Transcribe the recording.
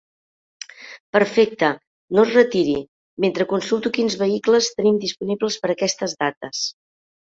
Perfecte, no es retiri mentre consulto quins vehicles tenim disponibles per aquestes dates.